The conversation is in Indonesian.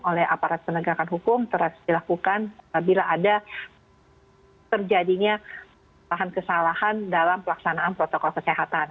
oleh aparat penegakan hukum terus dilakukan bila ada terjadinya bahan kesalahan dalam pelaksanaan protokol kesehatan